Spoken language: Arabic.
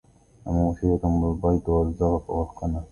وموشية بالبيض والزغف والقنا